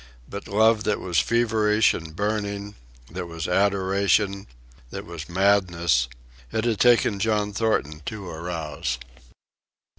But love that was feverish and burning, that was adoration, that was madness, it had taken John Thornton to arouse.